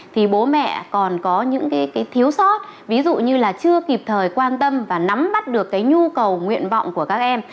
thì bố mẹ còn có những cái thiếu sót ví dụ như là chưa kịp thời quan tâm và nắm bắt được cái nhu cầu nguyện vọng của các em